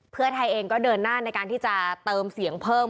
เพื่อไทยเองก็เดินหน้าในการที่จะเติมเสียงเพิ่ม